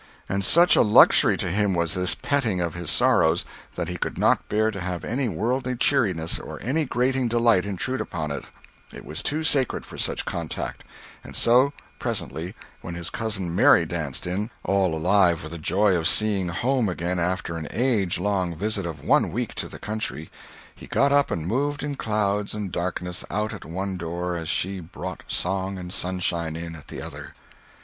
And such a luxury to him was this petting of his sorrows, that he could not bear to have any worldly cheeriness or any grating delight intrude upon it; it was too sacred for such contact; and so, presently, when his cousin Mary danced in, all alive with the joy of seeing home again after an age long visit of one week to the country, he got up and moved in clouds and darkness out at one door as she brought song and sunshine in at the other.